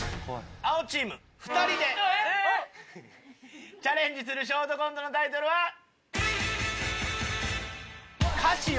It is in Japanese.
青チーム２人でチャレンジするショートコントのタイトルは。